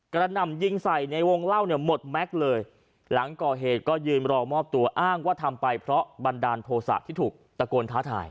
หนำยิงใส่ในวงเล่าเนี่ยหมดแม็กซ์เลยหลังก่อเหตุก็ยืนรอมอบตัวอ้างว่าทำไปเพราะบันดาลโทษะที่ถูกตะโกนท้าทาย